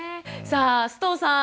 さあ須藤さん